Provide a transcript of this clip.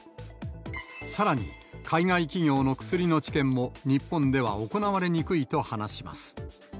さらに、海外企業の薬の治験も日本では行われにくいと話します。